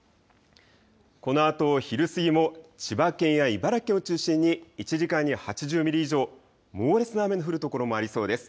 このあと昼過ぎも千葉県や茨城県を中心に１時間に８０ミリ以上、猛烈な雨の降る所もありそうです。